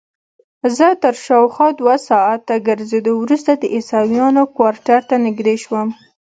زه تر شاوخوا دوه ساعته ګرځېدو وروسته د عیسویانو کوارټر ته نږدې شوم.